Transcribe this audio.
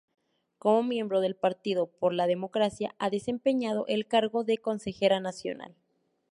Como miembro del Partido por la Democracia, ha desempeñado el cargo de consejera nacional.